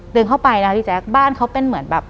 เดินเข้าไปนะพี่แจ๊คบ้านเขาเป็นเหมือนแบบ